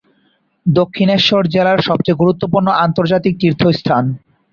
দক্ষিণেশ্বর জেলার সবচেয়ে গুরুত্বপূর্ণ আন্তর্জাতিক তীর্থস্থান।